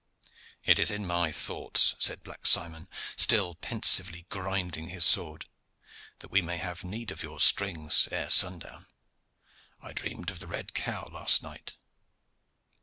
"It is in my thoughts," said Black Simon, still pensively grinding his sword, "that we may have need of your strings ere sundown. I dreamed of the red cow last night."